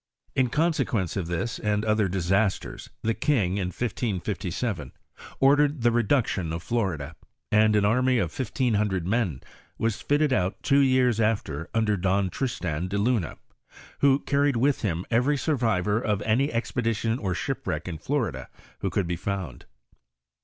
f In consequence of this and other disastero the king, in 1557, ordered the reduction of Florida, and an army of 1,500 men was fitted out two years after under Don Tristan de Luna, who carried with him every survivor of any expe dition or shipwreck in Florida, who could be found.